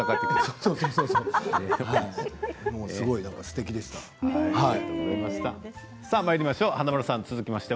すごいすてきでした。